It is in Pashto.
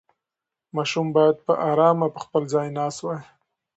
ماشوم باید په ارامه په خپل ځای ناست وای.